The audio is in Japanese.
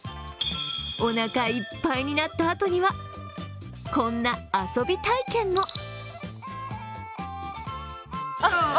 おなかいっぱいになったあとにはこんな遊び体験も。